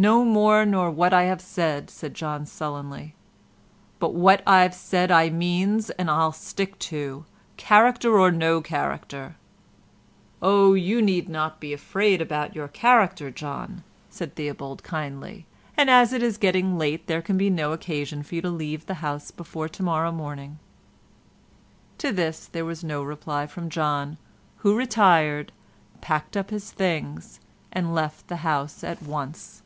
"No more nor what I have said," said John sullenly, "but what I've said I means and I'll stick to—character or no character." "Oh, you need not be afraid about your character, John," said Theobald kindly, "and as it is getting late, there can be no occasion for you to leave the house before to morrow morning." To this there was no reply from John, who retired, packed up his things, and left the house at once.